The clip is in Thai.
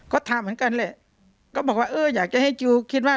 ก็ทำเหมือนกันแหละก็บอกว่าเอออยากจะให้จิลคิดว่า